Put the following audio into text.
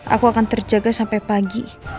aku akan terjaga sampai pagi